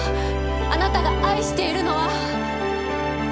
あなたが愛しているのは。